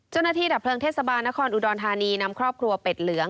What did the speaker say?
ดับเพลิงเทศบาลนครอุดรธานีนำครอบครัวเป็ดเหลือง